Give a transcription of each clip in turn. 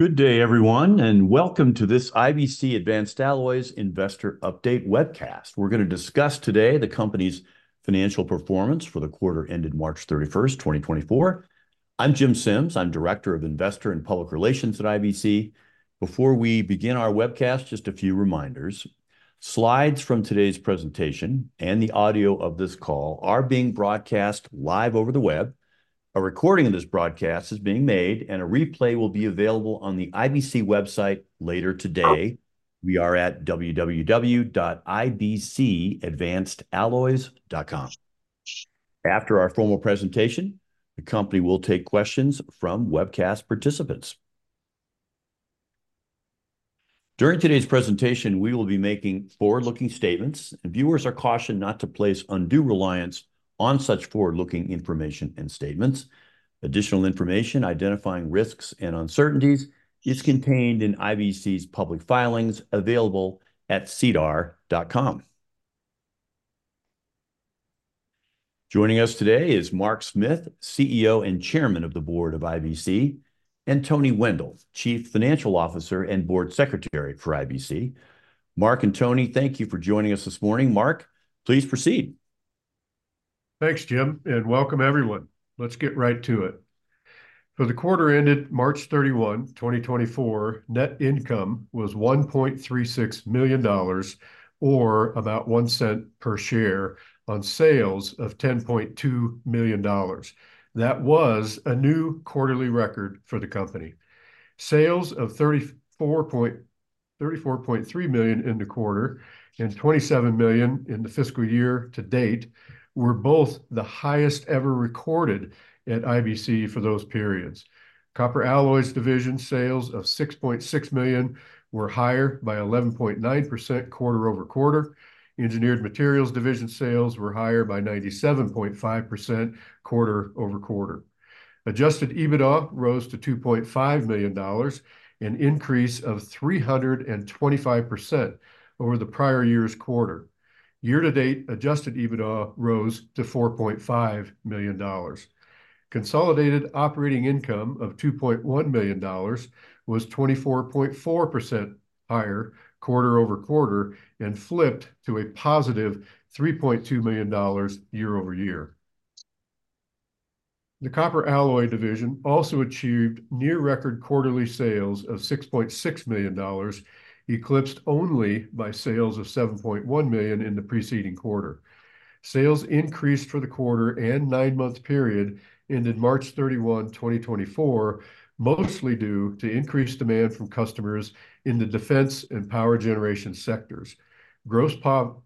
Good day, everyone, and welcome to this IBC Advanced Alloys Investor Update Webcast. We're gonna discuss today the company's financial performance for the quarter ended March 31st, 2024. I'm Jim Sims. I'm Director of Investor and Public Relations at IBC. Before we begin our webcast, just a few reminders: slides from today's presentation and the audio of this call are being broadcast live over the web. A recording of this broadcast is being made, and a replay will be available on the IBC website later today. We are at www.ibcadvancedalloys.com. After our formal presentation, the company will take questions from webcast participants. During today's presentation, we will be making forward-looking statements, and viewers are cautioned not to place undue reliance on such forward-looking information and statements. Additional information identifying risks and uncertainties is contained in IBC's public filings, available at sedar.com. Joining us today is Mark Smith, CEO and Chairman of the Board of IBC, and Toni Wendel, Chief Financial Officer and Board Secretary for IBC. Mark and Toni, thank you for joining us this morning. Mark, please proceed. Thanks, Jim, and welcome, everyone. Let's get right to it. For the quarter ended March 31, 2024, net income was $1.36 million, or about $0.01 per share, on sales of $10.2 million. That was a new quarterly record for the company. Sales of $34.3 million in the quarter and $27 million in the fiscal year to date were both the highest ever recorded at IBC for those periods. Copper Alloys division sales of $6.6 million were higher by 11.9% quarter-over-quarter. Engineered Materials division sales were higher by 97.5% quarter-over-quarter. Adjusted EBITDA rose to $2.5 million, an increase of 325% over the prior year's quarter. Year-to-date adjusted EBITDA rose to $4.5 million. Consolidated operating income of $2.1 million was 24.4% higher quarter-over-quarter and flipped to a positive $3.2 million year-over-year. The Copper Alloys division also achieved near-record quarterly sales of $6.6 million, eclipsed only by sales of $7.1 million in the preceding quarter. Sales increased for the quarter and nine-month period ended March 31, 2024, mostly due to increased demand from customers in the defense and power generation sectors. Gross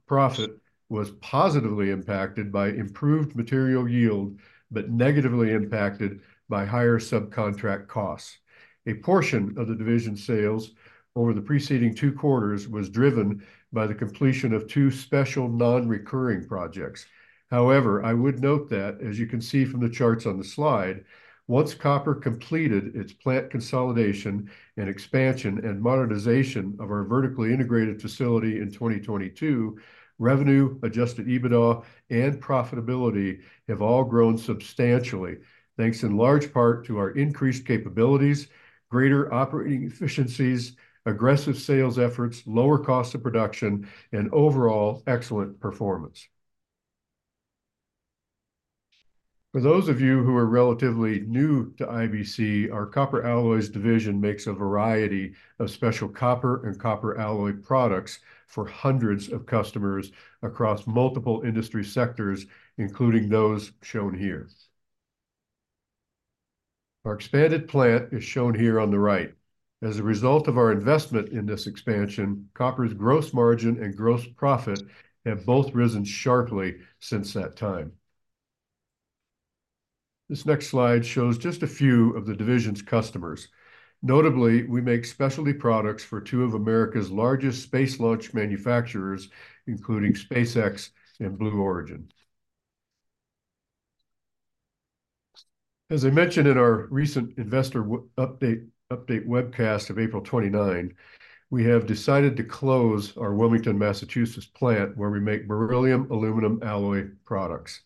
profit was positively impacted by improved material yield but negatively impacted by higher subcontract costs. A portion of the division's sales over the preceding two quarters was driven by the completion of two special non-recurring projects. However, I would note that, as you can see from the charts on the slide, once Copper completed its plant consolidation and expansion and modernization of our vertically integrated facility in 2022, revenue, adjusted EBITDA, and profitability have all grown substantially, thanks in large part to our increased capabilities, greater operating efficiencies, aggressive sales efforts, lower cost of production, and overall excellent performance. For those of you who are relatively new to IBC, our Copper Alloys division makes a variety of special copper and copper alloy products for hundreds of customers across multiple industry sectors, including those shown here. Our expanded plant is shown here on the right. As a result of our investment in this expansion, Copper's gross margin and gross profit have both risen sharply since that time. This next slide shows just a few of the division's customers. Notably, we make specialty products for two of America's largest space launch manufacturers, including SpaceX and Blue Origin. As I mentioned in our recent investor update webcast of April 29, we have decided to close our Wilmington, Massachusetts, plant, where we make beryllium aluminum alloy products.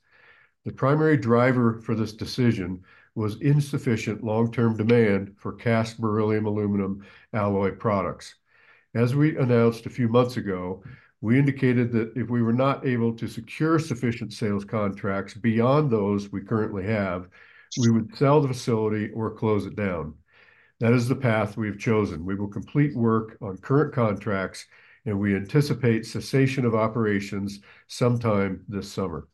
The primary driver for this decision was insufficient long-term demand for cast beryllium aluminum alloy products. As we announced a few months ago, we indicated that if we were not able to secure sufficient sales contracts beyond those we currently have, we would sell the facility or close it down. That is the path we've chosen. We will complete work on current contracts, and we anticipate cessation of operations sometime this summer.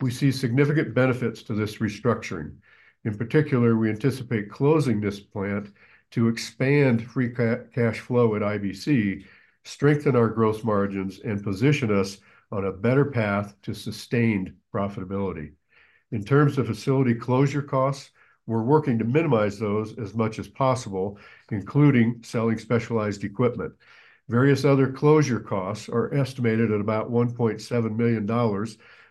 We see significant benefits to this restructuring. In particular, we anticipate closing this plant to expand free cash flow at IBC, strengthen our gross margins, and position us on a better path to sustained profitability. In terms of facility closure costs, we're working to minimize those as much as possible, including selling specialized equipment. Various other closure costs are estimated at about $1.7 million,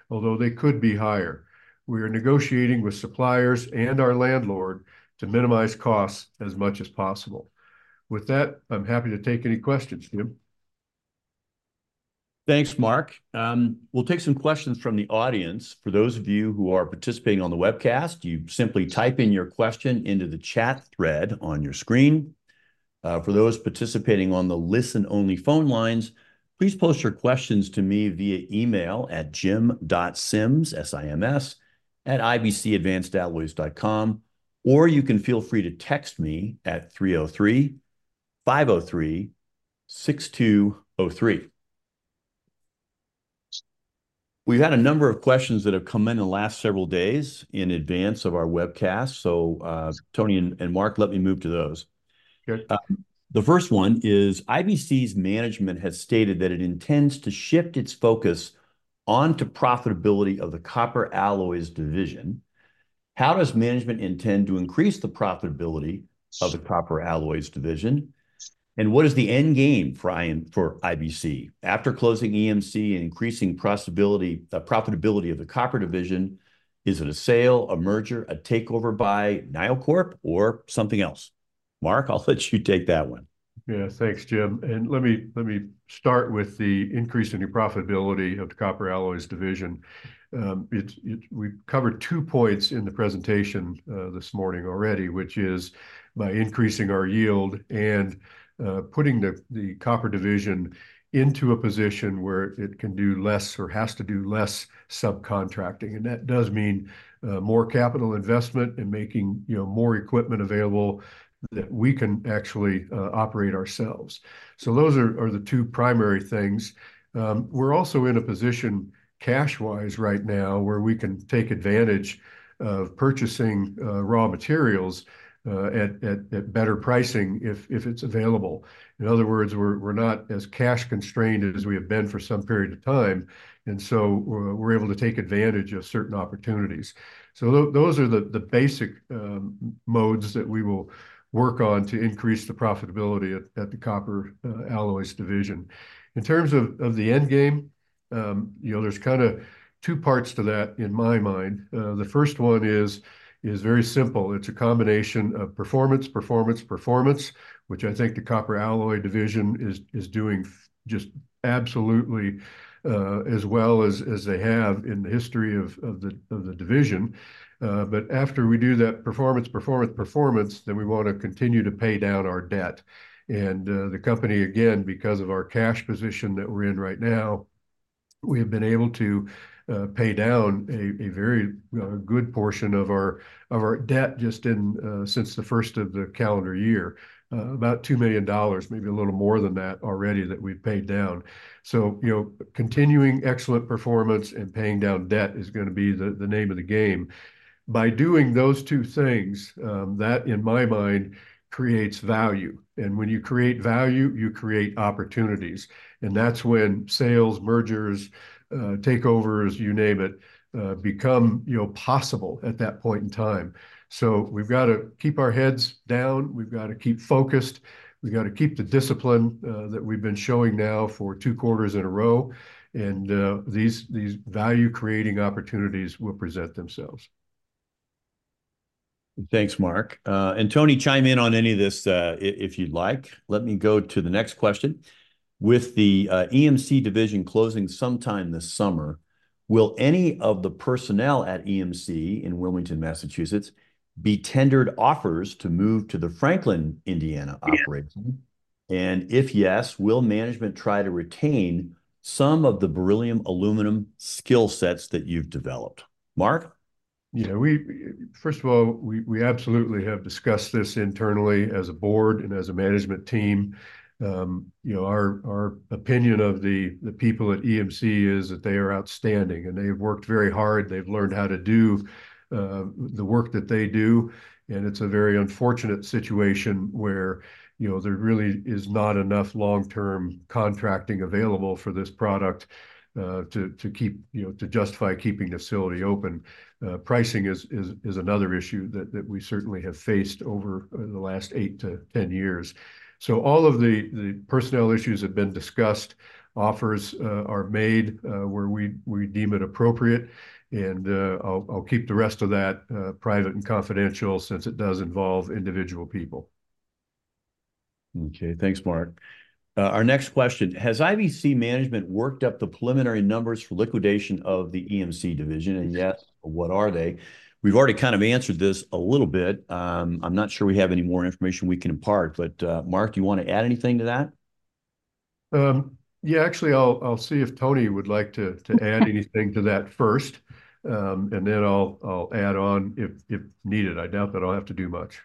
although they could be higher. We are negotiating with suppliers and our landlord to minimize costs as much as possible. With that, I'm happy to take any questions. Jim? ... Thanks, Mark. We'll take some questions from the audience. For those of you who are participating on the webcast, you simply type in your question into the chat thread on your screen. For those participating on the listen-only phone lines, please post your questions to me via email at jim.sims@ibcadvancedalloys.com, or you can feel free to text me at 303-503-6203. We've had a number of questions that have come in in the last several days in advance of our webcast, so, Toni and Mark, let me move to those. Sure. The first one is, "IBC's management has stated that it intends to shift its focus onto profitability of the Copper Alloys division. How does management intend to increase the profitability of the Copper Alloys division, and what is the end game for for IBC? After closing EMC and increasing profitability, the profitability of the copper division, is it a sale, a merger, a takeover by NioCorp, or something else?" Mark, I'll let you take that one. Yeah, thanks, Jim, and let me start with the increase in the profitability of the Copper Alloys division. It... We've covered two points in the presentation this morning already, which is by increasing our yield and putting the copper division into a position where it can do less or has to do less subcontracting, and that does mean more capital investment in making, you know, more equipment available that we can actually operate ourselves. So those are the two primary things. We're also in a position cash-wise right now where we can take advantage of purchasing raw materials at better pricing if it's available. In other words, we're not as cash-constrained as we have been for some period of time, and so we're able to take advantage of certain opportunities. So those are the basic modes that we will work on to increase the profitability at the Copper Alloys division. In terms of the end game, you know, there's kind of two parts to that in my mind. The first one is very simple. It's a combination of performance, performance, performance, which I think the copper alloy division is doing just absolutely as well as they have in the history of the division. But after we do that performance, performance, performance, then we want to continue to pay down our debt. The company, again, because of our cash position that we're in right now, we have been able to pay down a very good portion of our debt just since the first of the calendar year. About $2 million, maybe a little more than that already that we've paid down. So, you know, continuing excellent performance and paying down debt is gonna be the name of the game. By doing those two things, that, in my mind, creates value, and when you create value, you create opportunities, and that's when sales, mergers, takeovers, you name it, become, you know, possible at that point in time. So we've got to keep our heads down. We've got to keep focused. We've got to keep the discipline that we've been showing now for two quarters in a row, and these value-creating opportunities will present themselves. Thanks, Mark. And Toni, chime in on any of this, if you'd like. Let me go to the next question: "With the EMC division closing sometime this summer, will any of the personnel at EMC in Wilmington, Massachusetts, be tendered offers to move to the Franklin, Indiana, operation? ...and if yes, will management try to retain some of the beryllium aluminum skillsets that you've developed?" Mark? You know, we first of all absolutely have discussed this internally as a board and as a management team. You know, our opinion of the people at EMC is that they are outstanding, and they have worked very hard. They've learned how to do the work that they do, and it's a very unfortunate situation where, you know, there really is not enough long-term contracting available for this product to keep, you know, to justify keeping the facility open. Pricing is another issue that we certainly have faced over the last eight-10 years. So all of the personnel issues have been discussed. Offers are made where we deem it appropriate, and I'll keep the rest of that private and confidential, since it does involve individual people. Okay, thanks, Mark. Our next question: "Has IBC management worked up the preliminary numbers for liquidation of the EMC division, and if yes, what are they?" We've already kind of answered this a little bit. I'm not sure we have any more information we can impart, but, Mark, do you want to add anything to that? Yeah, actually, I'll see if Toni would like to add anything to that first, and then I'll add on if needed. I doubt that I'll have to do much.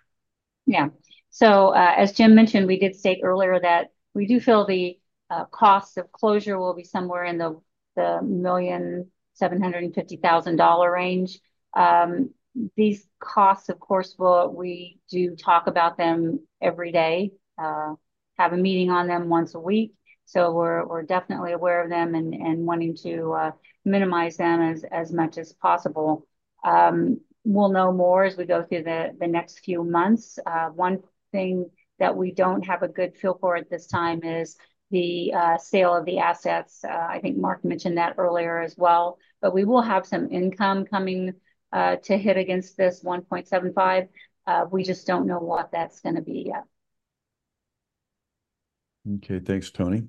Yeah. So, as Jim mentioned, we did state earlier that we do feel the cost of closure will be somewhere in the $1.75 million range. These costs, of course, will. We do talk about them every day, have a meeting on them once a week, so we're definitely aware of them and wanting to minimize them as much as possible. We'll know more as we go through the next few months. One thing that we don't have a good feel for at this time is the sale of the assets. I think Mark mentioned that earlier as well. But we will have some income coming to hit against this $1.75 million. We just don't know what that's gonna be yet.... Okay, thanks, Toni.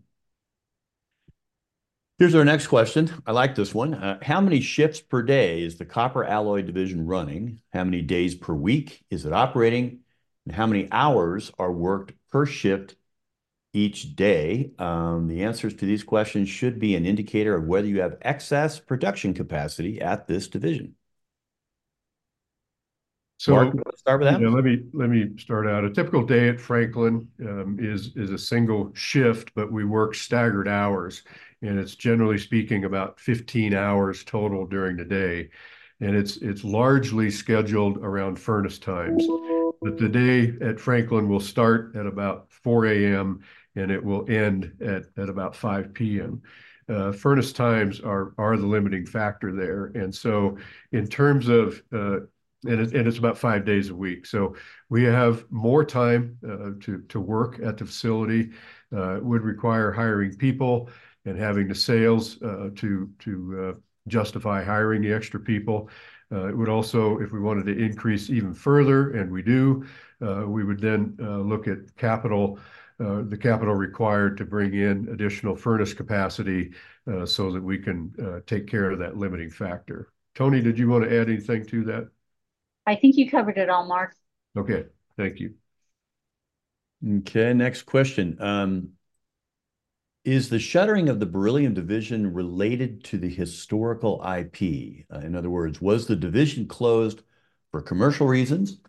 Here's our next question. I like this one. How many shifts per day is the copper alloy division running? How many days per week is it operating, and how many hours are worked per shift each day? The answers to these questions should be an indicator of whether you have excess production capacity at this division. Mark, you wanna start with that? Yeah, let me start out. A typical day at Franklin is a single shift, but we work staggered hours, and it's generally speaking about 15 hours total during the day, and it's largely scheduled around furnace times. But the day at Franklin will start at about 4:00 A.M., and it will end at about 5:00 P.M. Furnace times are the limiting factor there, and so in terms of... And it's about five days a week. So we have more time to work at the facility. It would require hiring people and having the sales to justify hiring the extra people. It would also, if we wanted to increase even further, and we do, we would then look at capital, the capital required to bring in additional furnace capacity, so that we can take care of that limiting factor. Toni, did you want to add anything to that? I think you covered it all, Mark. Okay, thank you. Okay, next question. Is the shuttering of the beryllium division related to the historical IP? In other words, was the division closed for commercial reasons,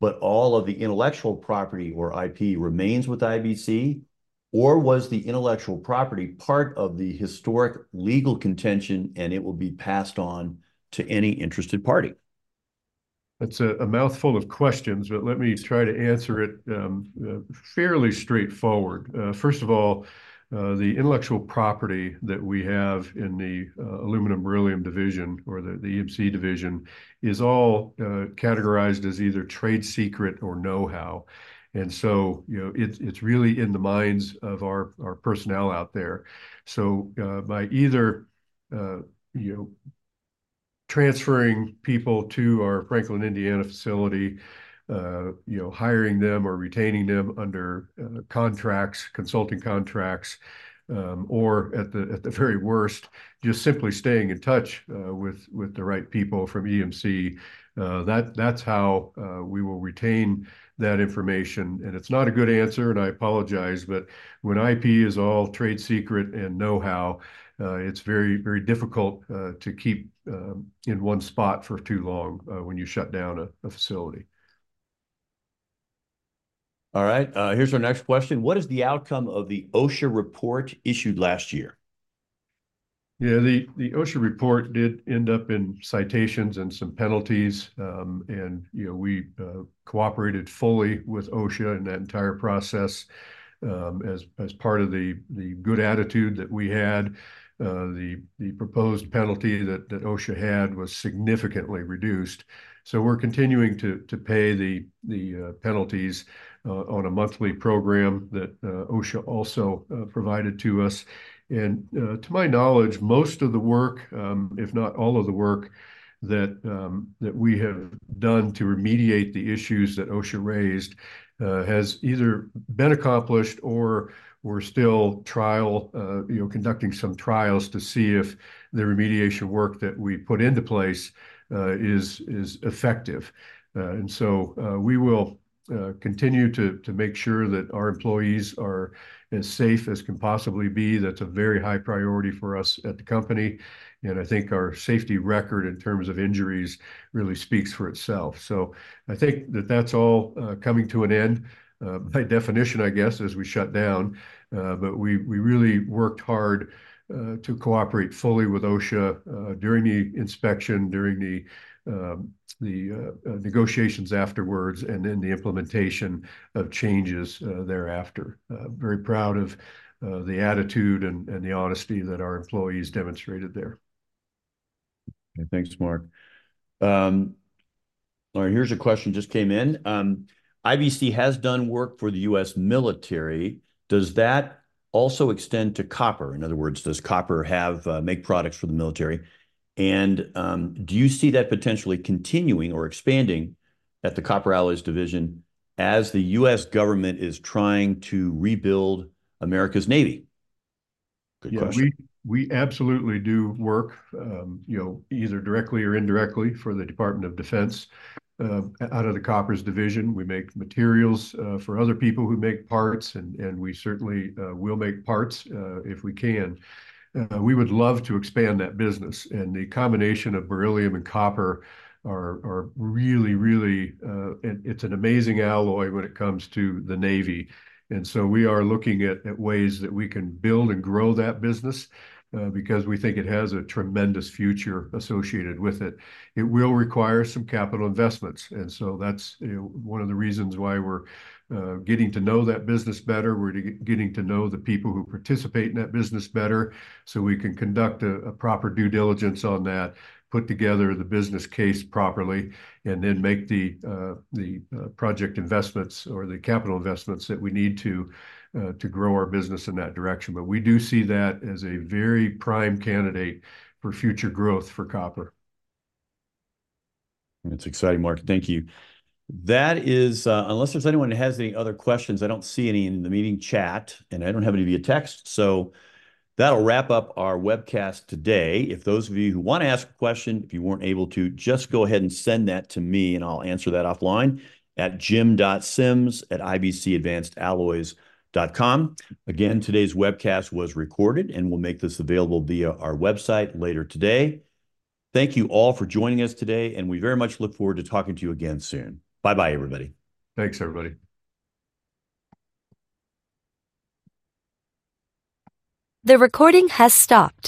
but all of the intellectual property, or IP, remains with IBC, or was the intellectual property part of the historic legal contention, and it will be passed on to any interested party? That's a mouthful of questions, but let me try to answer it fairly straightforward. First of all, the intellectual property that we have in the aluminum beryllium division, or the EMC division, is all categorized as either trade secret or know-how. And so, you know, it's really in the minds of our personnel out there. So, by either, you know, transferring people to our Franklin, Indiana facility, you know, hiring them or retaining them under contracts, consulting contracts, or at the very worst, just simply staying in touch with the right people from EMC, that's how we will retain that information. It's not a good answer, and I apologize, but when IP is all trade secret and know-how, it's very, very difficult to keep in one spot for too long when you shut down a facility. All right, here's our next question: What is the outcome of the OSHA report issued last year? Yeah, the OSHA report did end up in citations and some penalties. And, you know, we cooperated fully with OSHA in that entire process. As part of the good attitude that we had, the proposed penalty that OSHA had was significantly reduced. So we're continuing to pay the penalties on a monthly program that OSHA also provided to us. And to my knowledge, most of the work, if not all of the work that we have done to remediate the issues that OSHA raised, has either been accomplished or we're still, you know, conducting some trials to see if the remediation work that we put into place is effective. And so, we will continue to make sure that our employees are as safe as can possibly be. That's a very high priority for us at the company, and I think our safety record in terms of injuries really speaks for itself. So I think that that's all coming to an end. By definition, I guess, as we shut down, but we really worked hard to cooperate fully with OSHA during the inspection, during the negotiations afterwards, and in the implementation of changes thereafter. Very proud of the attitude and the honesty that our employees demonstrated there. Okay, thanks, Mark. All right, here's a question just came in. IBC has done work for the U.S. military. Does that also extend to copper? In other words, does copper make products for the military? And, do you see that potentially continuing or expanding at the Copper Alloys division, as the U.S. government is trying to rebuild America's Navy? Good question. Yeah, we absolutely do work, you know, either directly or indirectly for the Department of Defense. Out of the Copper Alloys division, we make materials for other people who make parts, and we certainly will make parts if we can. We would love to expand that business, and the combination of beryllium and copper are really, really... It's an amazing alloy when it comes to the Navy. And so we are looking at ways that we can build and grow that business because we think it has a tremendous future associated with it. It will require some capital investments, and so that's, you know, one of the reasons why we're getting to know that business better. We're getting to know the people who participate in that business better, so we can conduct a proper due diligence on that, put together the business case properly, and then make the project investments or the capital investments that we need to grow our business in that direction. But we do see that as a very prime candidate for future growth for copper. That's exciting, Mark. Thank you. That is, unless there's anyone that has any other questions, I don't see any in the meeting chat, and I don't have any via text, so that'll wrap up our webcast today. If those of you who wanna ask a question, if you weren't able to, just go ahead and send that to me, and I'll answer that offline at jim.sims@ibcadvancedalloys.com. Again, today's webcast was recorded, and we'll make this available via our website later today. Thank you all for joining us today, and we very much look forward to talking to you again soon. Bye-bye, everybody. Thanks, everybody. The recording has stopped.